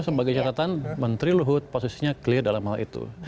sebagai catatan menteri luhut posisinya clear dalam hal itu